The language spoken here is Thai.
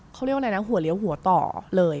เขาเรียกว่าอะไรนะหัวเลี้ยวหัวต่อเลย